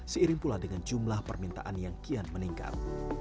seiring pula dengan jumlah permintaan yang kian meningkat